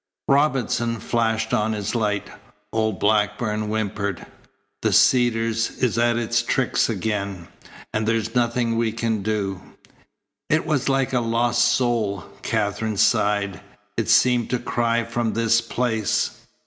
Robinson flashed on his light. Old Blackburn whimpered: "The Cedars is at its tricks again, and there's nothing we can do." "It was like a lost soul," Katherine sighed. "It seemed to cry from this place."